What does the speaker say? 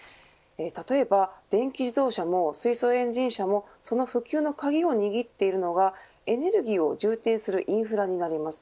例えば電気自動車も水素エンジン車もその普及の鍵を握っているのはエネルギーを充填するインフラです。